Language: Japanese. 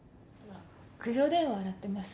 苦情電話洗ってます。